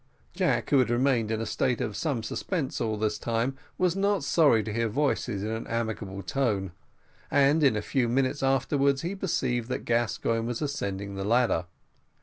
Jack, who had remained in a state of some suspense all this time, was not sorry to hear voices in an amicable tone, and in a few minutes afterwards he perceived that Gascoigne was ascending the ladder.